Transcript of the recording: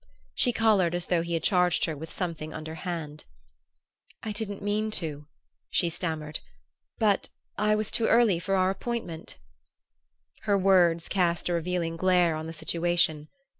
She colored as though he had charged her with something underhand. "I didn't mean to," she stammered; "but I was too early for our appointment " Her word's cast a revealing glare on the situation.